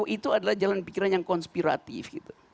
itu adalah jalan pikiran yang konspiratif